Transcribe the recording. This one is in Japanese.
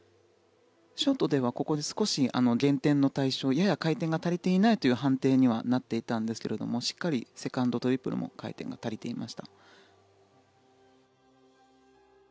ショートではここで少し減点の対象やや回転が足りていないという判定にはなっていたんですがしっかりセカンドトリプルも回転が足りていました。